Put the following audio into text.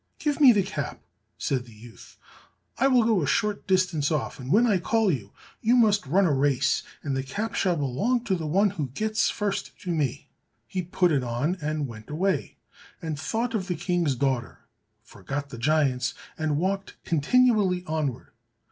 "Give me the cap," said the youth, "I will go a short distance off, and when I call you, you must run a race, and the cap shall belong to the one who gets first to me." He put it on and went away, and thought of the King's daughter, forgot the giants, and walked continually onward.